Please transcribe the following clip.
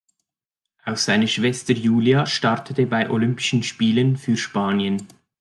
Auch seine Schwester Julie startete bei Olympischen Spielen für Spanien.